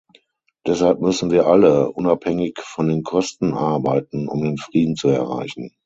Deshalb müssen wir alle, unabhängig von den Kosten, arbeiten, um den Frieden zu erreichen.